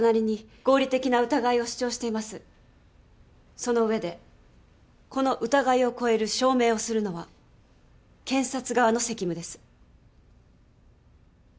その上でこの疑いを超える証明をするのは検察側の責務です。